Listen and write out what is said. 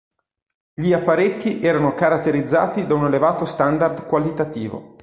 Gli apparecchi erano caratterizzati da un elevato standard qualitativo.